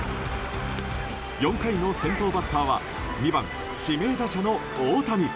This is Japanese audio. ４回の先頭バッターは２番指名打者の大谷。